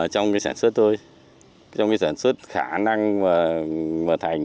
trong cái sản xuất thôi trong cái sản xuất khả năng mà thành